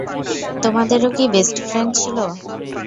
তোমাদেরও কি best friend ছিল?